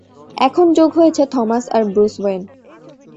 এখন যোগ হয়েছে থমাস আর ব্রুস ওয়েন।